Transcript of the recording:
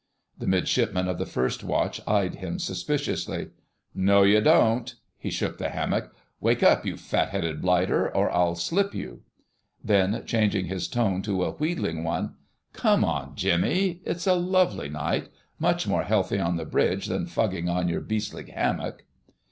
The Midshipman of the First Watch eyed him suspiciously. "No you don't!" He shook the hammock. "Wake up, you fat headed blighter, or I'll slip you." Then, changing his tone to a wheedling one: "Come on, Jimmy, it's a lovely night—much more healthy on the bridge than fugging in your beastly hammock."